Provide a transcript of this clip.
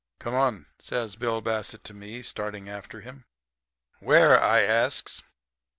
"'Come on,' says Bill Bassett to me, starting after him. "'Where?' I asks.